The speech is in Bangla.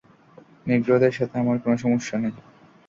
নিগ্রোদের সাথে আমার কেনো সমস্যা নেই।